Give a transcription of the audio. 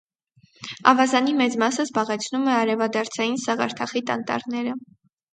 Ավազանի մեծ մասը զբաղեցնում է արևադարձային սաղարթախիտ անտառները։